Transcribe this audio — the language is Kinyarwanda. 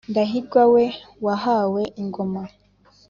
Ndahirwa we wahawe ingoma